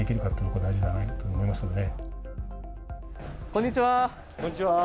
こんにちは。